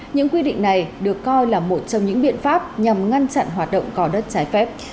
những quy định này được coi là một trong những biện pháp nhằm ngăn chặn hoạt động gò đất trái phép